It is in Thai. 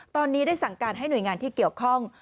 ตอนนี้ได้สั่งการให้หน่วยงานที่เกี่ยวข้อง